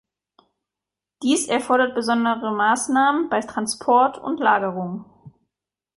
Dies erfordert besondere Maßnahmen bei Transport und Lagerung.